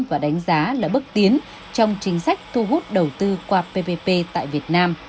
và đánh giá là bước tiến trong chính sách thu hút đầu tư qua ppp tại việt nam